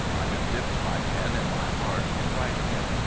I have dipped my pen in my heart in writing it.